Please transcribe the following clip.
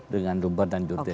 dengan lubar dan judil